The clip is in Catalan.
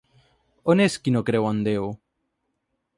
On és qui no creu en Déu?